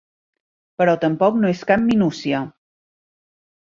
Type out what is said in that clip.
Però tampoc no és cap minúcia.